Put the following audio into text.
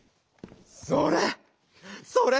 それ！